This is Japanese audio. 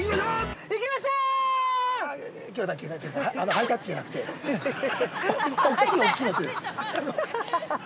◆ハイタッチじゃなくて大きい、大きいよの手です。